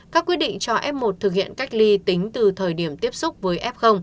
các quyết định cho f một thực hiện cách ly tính từ thời điểm tiếp xúc với f